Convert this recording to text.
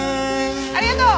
ありがとう！